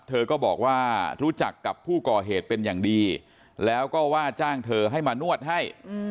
เธอก็บอกว่ารู้จักกับผู้ก่อเหตุเป็นอย่างดีแล้วก็ว่าจ้างเธอให้มานวดให้